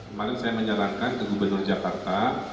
kemarin saya menyarankan ke gubernur jakarta